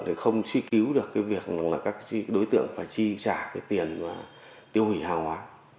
thì không truy cứu được cái việc là các đối tượng phải truy trả cái tiền tiêu hủy hàng hóa